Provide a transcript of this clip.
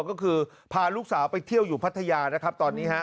ก็คือพาลูกสาวไปเที่ยวอยู่พัทยาตอนนี้